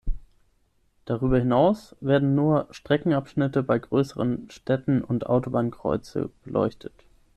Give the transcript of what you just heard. Darüber hinaus werden nur Streckenabschnitte bei größeren Städten und Autobahnkreuze beleuchtet.